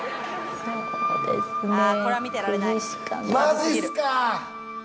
マジっすか！